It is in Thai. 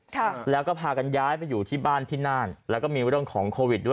ค่ะแล้วก็พากันย้ายไปอยู่ที่บ้านที่น่านแล้วก็มีเรื่องของโควิดด้วย